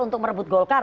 untuk merebut golkar